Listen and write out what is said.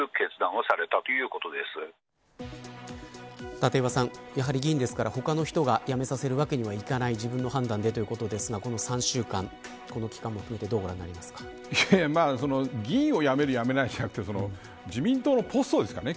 立岩さん、やはり議員ですから他の人が辞めさせるわけにいかない自分の判断で、ということですがこの３週間という期間も含めてどうご覧になります議員を辞める辞めないじゃなくて自民党のポストですからね。